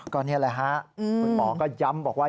ก็นี่แหละฮะคุณหมอก็ย้ำบอกว่า